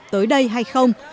tới đây hay không